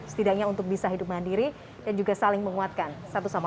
setidaknya untuk bisa hidup mandiri dan juga saling menguatkan